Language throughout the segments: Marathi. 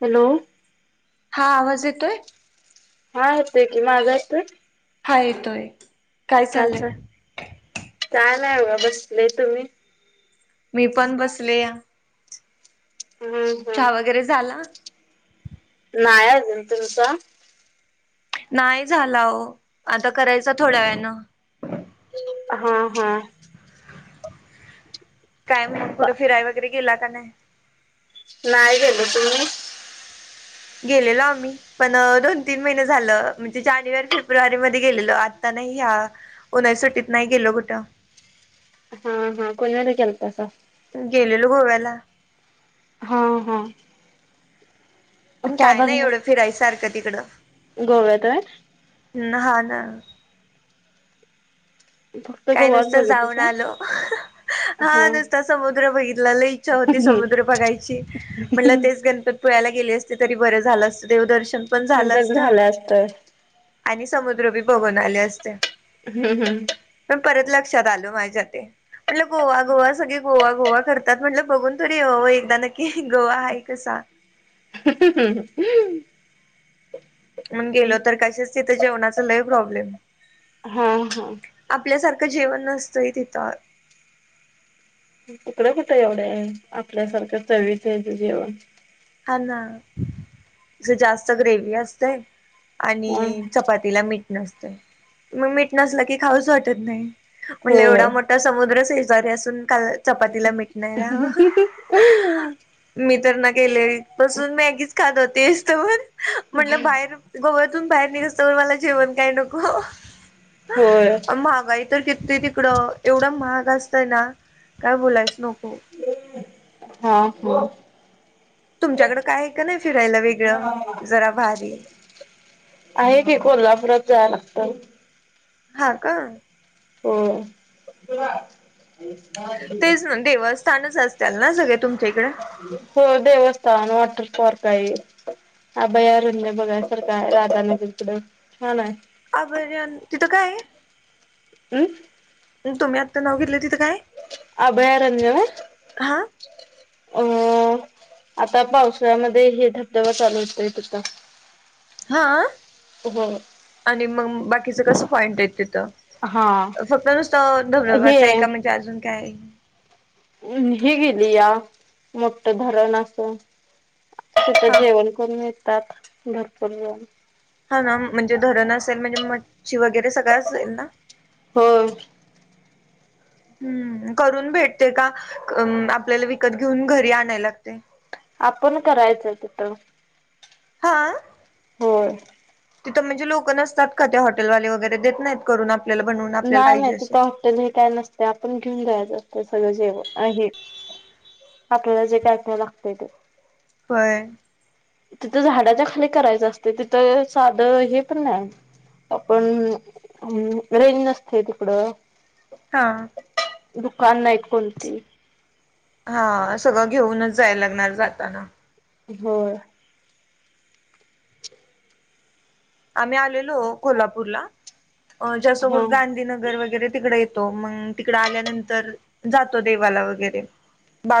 हॅलो. हा आवाज येतोय? हा येतय की, माझा येतोय? काय येतोय! काय चाललंय? हाय बघा! बसलोय तुम्ही? मी पण बसले या. हम्म हम्म. चहा वगैरे झाला? नाही अजून! तुमचा? नाही झाला हो, आता करायचा थोड्या वेळान. हा, हा. काय म्हण कुठे फिराय वगैरे गेला का नाही? नाही गेलो! तुम्ही? गेलेलो आम्ही, पण दोन-तीन महिने झालं, म्हणजे जानेवारी फेब्रुवारी मध्ये गेलेलो आता. नाही ह्या उन्हाळ्याच्या सुट्टीत नाही गेलो कुठं. हा हा कुणीकडे गेलतासा? गेलेलो गोव्याला. हा हा. पण काय नाही एवढं फिरायसारखं तिकडं. गोव्यात होय? हा. हा. फक्त काही गोवाच नुसत जाऊन बघितलासा? आलो. हा नुसता समुद्र बघितल्याला. लई इच्छा होती नंतर समुद्र बघायची म्हटलं तेच गणपती पोळ्याला गेले बर झाल असत तर बर झालं असतं. देवदर्शन पण झालं असत. आणि समुद्र बी बघून आले असते. हम्म. हम्म. पण परत लक्षात आल माझ्या ते. म्हटलं गोवा-गोवा सगळे गोवा-गोवा करतात, म्हटलं बघून तरी एकदा नक्की गोवा आहे कसा. [unintelligible] म्हणून गेलो तर कशाच तिथे जेवणाच लय प्रॉब्लेम, हा हा. आपल्यासारख का जेवण नसतंय तिथं. तुकडं कुठे एवढे आहे, आपल्यासारखं चवीच आहे जेवण. हाना ते जास्त ग्रेवी असतेय. आणि हा चपातीला मीठ नसतंय, म मीठ नसलं की खाऊच वाटत नाही. म्हणे एवढा मोठा समुद्र शेजारी असून. काल चपातीला मिट नाही, होय. मी तर गेल्यावर बसून मॅगीच खात होते, इस्तवर म्हनल बाहेर गोव्यात बाहेर निघसतवर मला जेवण काय नको. होय महागाई तर. ते तिकडं एवढं महाग असतय ना, काय बोलायचं नको. हा हम. तुमच्याकडं काय आहे का नाही फिरायला वेगळं, जरा भारी? आहे की कोल्हापुरात जायय लागतय. हा का. हो. तेच ना देवस्थानच असतीलल ना सगळे तुमच्या इकडे? हो देवस्थान वॉटर पार्क. काही अभयारण्य बघायसारख आहे, राधानगरी कड छान आहे. अभयारण्य तिथं काय आहे? हम्. तुम्ही आता नाव घेतलं ते. अभयारण्य होय? हा अ आता पावसाळ्यामध्ये हे धबधबा चालू होतय तिथं हा हो. आणि मंग बाकीचं कस पॉइंट आहेत तिथं हा फक्त नुसतं हे धबधबाच आहे का म्हणजे अजून काय ये. अ ही गेलीया मोठ्ठ धरणं असत. तिथं हा जेवण करून येतात भरपूर जण हा ना म्हणजे धरण असेल म्हणजे मच्छी वगैरे सगळं असेल ना होय हूं करून भेटते का? अं आपल्याला विकत घेऊन घरी आणायला लागते. आपण करायचं तिथं हा होय. तिथं म्हणजे लोकं नसतात का त्या हॉटेलवाले वगैरे देत नाहीत करून आप नाय नाय तिथ हॉटेल हे काय नसतय आपण घेऊन जायाचं असतं सगळं जेवण आ हे आपल्याला जे काय काय लागतय ते व्हय. तिथं झाडाच्या खाली करायचं असतय तिथं साध हे पण नाय आपणअं रेज नसतय तिकडं हा दुकान नाहीत कोणती. हा सगळं घेऊनच जायला लगणार जाताना. होय. [inaudible] आम्ही आलेलो कोल्हापूरला अ ज्यासमोर हा गांधीनगर वगैरे तिकडे तो मंग तिकड आल्यानंतर जातो देवाला वगैरे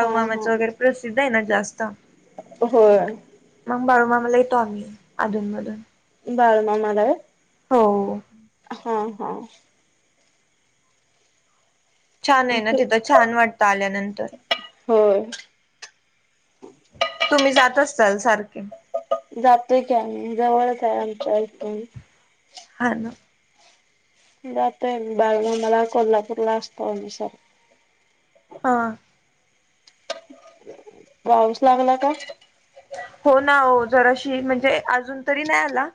हा हा वगैरे प्रसिद्ध हाय ना जास्त होय मंग बाळूमामा ला येतो आम्ही अधून मधून बाळू मामाला व्हय. हो. हा हा छान ये ना ते तिथं छान वाटतं आल्यानंतर होय. तुम्ही जात असताल सारखे जातोय की आम्ही जवळच हाय आमच्या इथून हा ना जातोय बाळूमामा ला कोल्हापूरला असतो आम्ही सारख हा. पाऊस लागला का? हो ना आहो जराशी म्हणजे अजून तरी नाय आला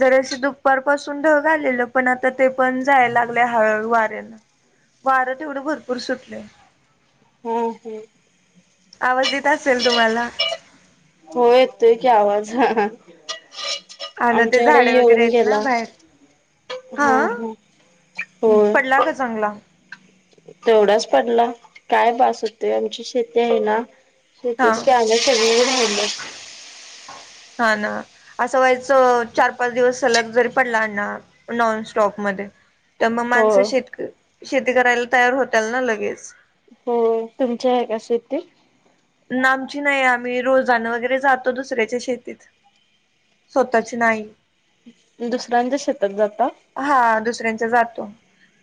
जराशी दुपार पाासून ढग आलेल. पण आता ते पण जायला लागलय हळू हळू वाऱ्यान वारं तेवढं भरपूर सुटलंय. हो हूं आवाज येत असेल तुम्हाला हो येतोय की आवाज आणि ते आमच्याकडे झाडे वगैरे येऊन आहेत ना गेला. बाहेर हूं हा हूं होय. पडला का चांगला तेवढाच पडला काय बास होतोय. आमची शेती आहे ना हा शेतीची कॅम सगळी राहिल्यात. हा ना असं व्हायचं चार पाच दिवस सलग जरी पडला ना नॉन सटॉपमध्ये त मग माणसं होय शेत शेती करायला तयार होत्याल ना लगेच. होय तुमची आहे का शेती ना आमची नाही आम्ही रोजान वगैरे जातो दुसऱ्याच्या शेतीत स्वतःची नाही दुसऱ्यांच्या शेतात जाता हा दुसऱ्यांच्या जातो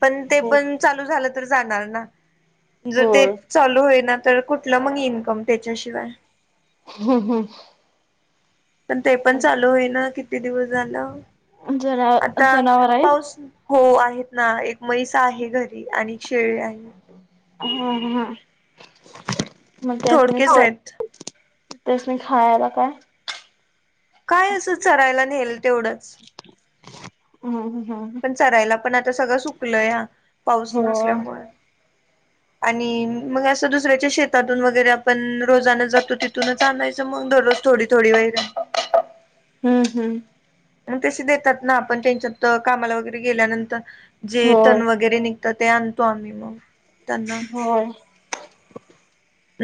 पण ते हो पण चालू झालं तर जाणार ना जर ते होय चालू होईना तर कुठलं मगं ईनकम त्याच्याशिवाय हम्म हम्म पण ते पण चालू होईना किती दिवस झालं हम्म जना आता जनावर आहेत पाऊस हो आहेत ना एक म्हैस आहे घरी आणि एक शेळी आहे. हा ह हा मग त्यासनी थोडकेच खा आहेत. त्यासनी खायला काय? काय असं चरायला नेल तेवढंच हम्म हम्म पण हम्म चरायला पण आता सगळं सुकलंया पाऊस होय नसल्यामुळे [unintelligible] आणि मग असं दुसऱ्याच्या शेतातून वगैरे आपण रोजान जातो तिथूनच आणायचं मग दररोज थोडी थोडी वैरण हम्म हम्म मग तसे देतात ना आपण त्यांच्यात कामाला वगैरे गेल्यानंतर जे तन होय वगैरे निघ त ते आणतो आम्ही मग त्यांना होय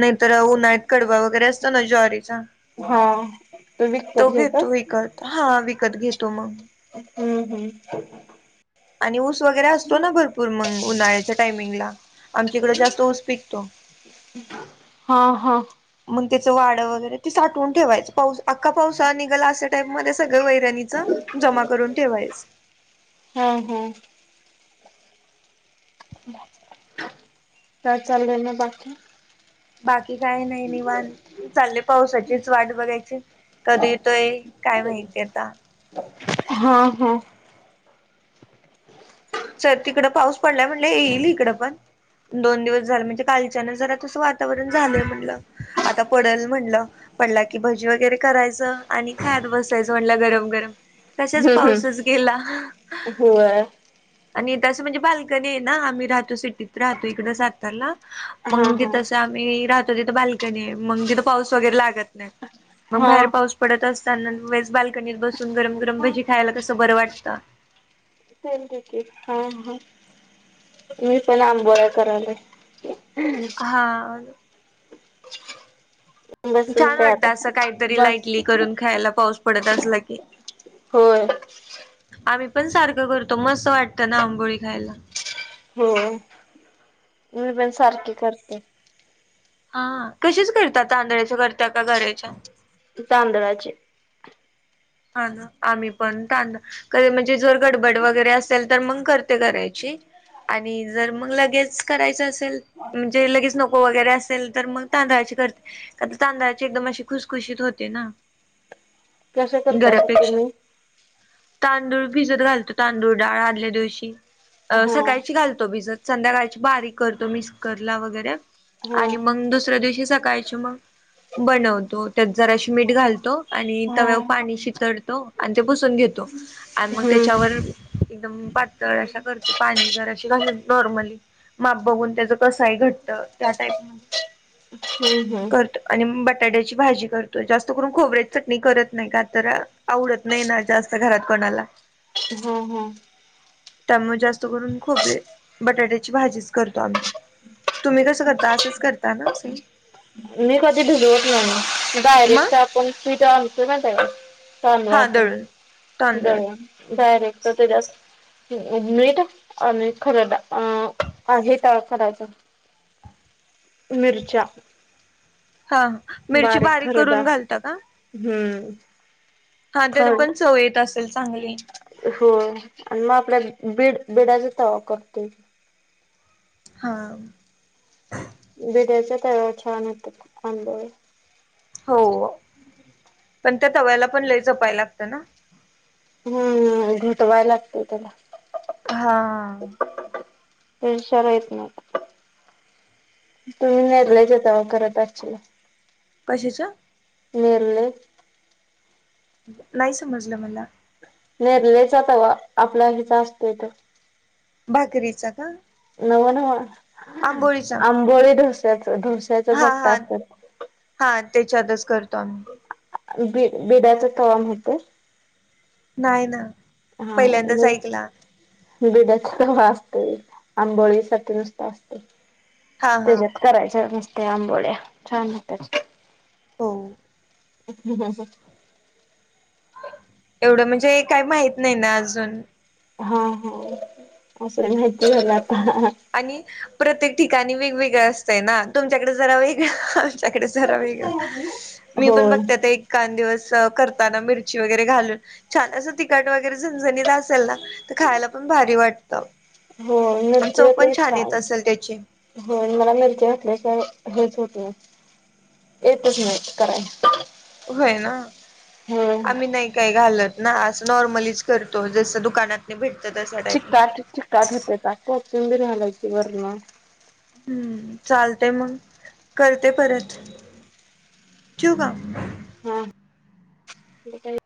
नाहीतर उन्हाळत कडबा वगैरे असतो ना ज्वारीचा हा तो घेतो विकत हा विकत घेतो मग हम हम आणि ऊस वगैरे असतो ना भरपूर मग उन्हाळ्याच्या टायमिंगला आमच्या इकडं जास्त ऊस पिकतो. हा हा त्याच वाड वगैरे ते साठवुन ठेवायच पाऊस अख्खा पावसाळा निघल अश्या टाइप मध्ये सगळ वैरणीच जमा करून ठेवायच. हा हा काय चालय ना बाकी बाकी काय नाही निंवात चाललय पावसाचीच वाट बघायची कधी येतोय काय माहिती आता हा हा सर तिकड पाऊस पडलाय म्हणल येईल इकडं पण दोन दिवस झाले म्हणजे कालच्यान जरा तसं वातावरण झालं म्हणलं आता पडल म्हणलं पडला की भजी वगैरे करायचं आणि खात बसायचं म्हटलं गरम गरम कशाच हम्म पाऊसच हम्म गेला. होय आणि तसं म्हणजे बाल्कनी आहे ना आम्ही राहतो सिटीत राहतो इकड सातारला हा मग [inaudible] आम्ही राहतो तिथ बाल्कनी आहे मग तिथ पाऊस वगैरे लागत मग हा बाहेर पाऊस पडत असताना वेळेस बालकनीत बसून गरम गरम हा भजी खायला कस बर वाटत. [inaudible] हा हा मी पण आंबोळ्या करायलोय हा ह [unintelligible] छान काय वाटत आता असं काहीतरी बस लाईटली करून ख्यायला पाऊस पडत असला की होय. आम्ही पण सारख करतो मस्त वाटतं ना आंबोळी खायला. हो मी पण सारखी करते. हा कशाच करतात तांदळाच्या करता का रव्याच्या तांदळाचे हा ना आम्ही पण त म्हणजे जर गडबड वैगेरे आसले तर मग करते रव्याची आणि जर मग लगेच कराच्या असेल म्हणजे लगेच नको वगैरे असं केल तर मग तांदळाची करते तांदळाची एकदम अशी खुसखुशीत होते ना कसं करता असं गऱ्यापेक्षा. तुम्ही? तांदूळ भिजत घालतो तांदूळ डाळ आदल्या दिवशी अ हा सकाळची घालतो भिजत संध्याकाळची बारीक करतो मिक्स करला वगैरे हा आणि मग दुसऱ्या दिवशी सकाळचे मग बनवतो त्यात जराशी मीठ घालतो आणि हा तव्या चितडतो पुसून घेतो आणि मग हम्म त्याच्यावर एकदम पातळ अशा करतो पाणी जराशी घालून नॉर्मली माप बघून त्याच कसं आहे घट त्या टीइप हम्म हम्म करतो आणि मट बटाट्याची भाजी करतोय जास्त करून खोबऱ्याची चटणी करत नाही का तर आवडत नाही ना जास्त घरात कोणाला हा हा त्यामुळे जास्त करून खोबरे बटाट्याची भाजीच करतो आम्ही तुम्ही कसं करता असंच करता ना? मी कधी भिजवत नाही मग डायरेक्ट आपण पीठ आणतो ना माहित आहे काय चांगल हा दळून होय तांदळात जाऊया डायरेक्ट त्याच्यात मीठ आणि खरडा अं आहे त करायचं मिरच्या हा मिरची बारीक खरडा करून घालता का? हम्म हा त्यान खरड पण सवयेत असतं होय आणि मग आपल्या बीड बिडाचा तवा करतोय हा. भीड्याच्या तव्यावर छान येतात आंबोळी हो पण त्या तव्याला पण लय जपायला लागतं ना हम्म घुटवाय लागत त्याला हा. पशला येत ना तुम्ही नेदलायच तेव करत अ कशाचं? वेरले नाही समजलं मला नेरलेच्या तवा आपल्या ह्याचा असतोय तो भाकरीचा का? नव नव आंबोळीचा आंबोळी डोसायाच हा मोठा हा असतो तो हा त्याच्यातच करतो आम्ही बी बिडाच तवा माहितेय? नाही ना पहिल्यांदाच ऐकला बिडाचा तवा असते आंबोळीसाठी नुसतं असतं. हा हा त्याच्यात करायच नसते आंबोळ्या छान होत्या हो ह ह एवढं म्हणजे काही माहित नाही ना अजून हा हा असं माहिती झाला आणि प्रत्येक ठिकाणी वेगवेगळं असतंय ना तुमच्याकडे जरा वेगळं आमच्याकडे जरा वेग मी पण होय बघत एक कान दिवस करताना मिरची वगैरे घालून छान असं तिखट वगैरे झणझणीत असेल ना? तर खायला पण भारी वाटतं. हो आणि चव पण ना येत छान, असेल त्याची हो मला मिरची घातल्याशिवाय का हेच होत येतच नाही कराय. होय ना आम्ही नाही काय घालत. ना असं नॉर्मलीच करतो. जसं दुकानात चिकाट-चिकाट होतेयचा खूप कोथींबीर घालायची वरण. हम्म चालतेय मग, करते परत. ठिऊ का? हा, आणि काही.